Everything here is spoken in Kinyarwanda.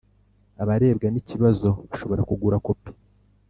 Abarebwa n ikibazo bashobora kugura kopi